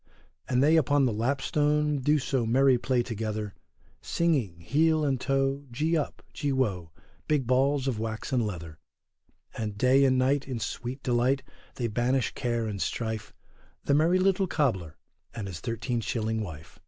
And they upon the lapstone do so merry play together, Singing, heel and toe, gee up, gee woe, big balls of wax and leather. And day and night in sweet delight, they banish care and strife, the merry little cobler and his thirteen shilling wife.